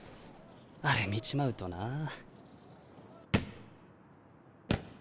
あれ見ちまうとなあ。